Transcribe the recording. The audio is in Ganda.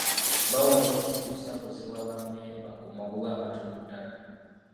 Bawola ensimbi Sacco z'ewa bammemba ku magoba amatono ddala.